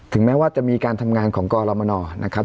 แม้ว่าจะมีการทำงานของกรมนนะครับ